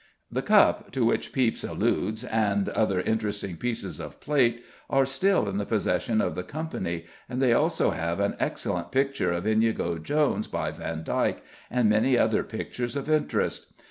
The cup to which Pepys alludes, and other interesting pieces of plate, are still in the possession of the Company, and they also have an excellent picture of Inigo Jones by Vandyke, and many other pictures of interest.